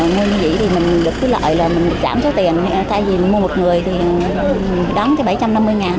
mua như vậy thì mình được cứ lợi là mình được giảm số tiền thay vì mình mua một người thì đón cái bảy trăm năm mươi ngàn